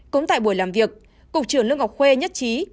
cũng tại buổi làm việc cục trưởng lương ngọc khuê nhất trí